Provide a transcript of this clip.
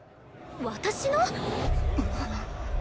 私の？